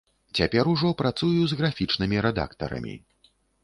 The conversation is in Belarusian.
Цяпер ужо працую з графічнымі рэдактарамі.